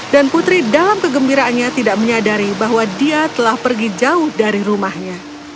dan putri dalam kegembiraannya tidak menyadari bahwa dia telah pergi jauh dari rumahnya